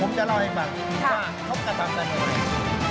ผมจะเล่าให้คุณมาคุณสร้างการทำได้ไหมครับ